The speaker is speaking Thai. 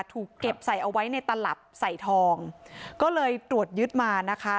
ถูกเก็บใส่เอาไว้ในตลับใส่ทองก็เลยตรวจยึดมานะคะ